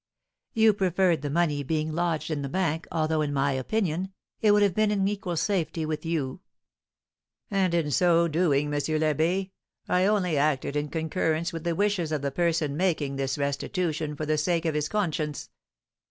You preferred the money being lodged in the bank, although, in my opinion, it would have been in equal safety with you." "And in so doing, M. l'Abbé, I only acted in concurrence with the wishes of the person making this restitution for the sake of his conscience.